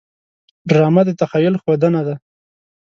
ډرامه د تخیل ښودنه ده